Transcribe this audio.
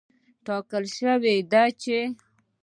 ټاکل شوې ده چې